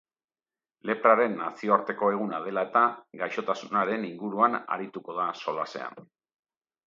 Lepraren nazioarteko eguna dela eta, gaixotasunaren inguruan arituko da solasean.